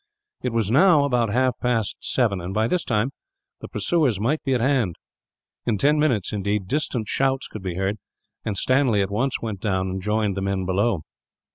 It was now about half past seven and, by this time, the pursuers might be at hand; in ten minutes, indeed, distant shouts could be heard, and Stanley at once went down and joined the men below.